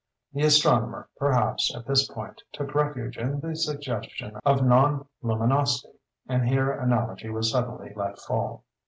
The astronomer, perhaps, at this point, took refuge in the suggestion of non luminosity; and here analogy was suddenly let fall.